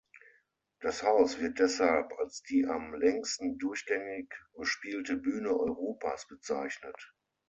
Das Haus wird deshalb als die am „längsten durchgängig bespielte Bühne Europas“ bezeichnet.